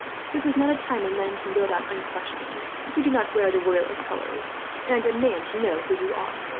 This is not a time when men can go about unquestioned. You do not wear the Royalist colours, and I demand to know who you are."